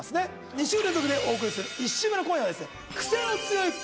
２週連続でお送りする１週目の今夜はですね。